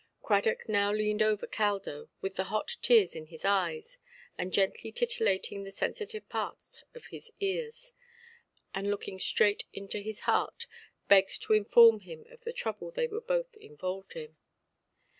Cradock now leaned over Caldo, with the hot tears in his eyes, and gently titillating the sensitive part of his ears, and looking straight into his heart, begged to inform him of the trouble they were both involved in.